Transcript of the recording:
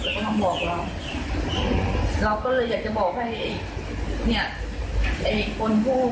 แต่เขาทำบอกเราเราก็เลยอยากจะบอกให้เนี้ยไอ้คนผู้ผู้ฆ่าแฟนหนูเนี้ย